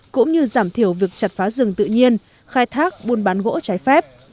cũng như giảm thiểu việc chặt phá rừng tự nhiên khai thác buôn bán gỗ trái phép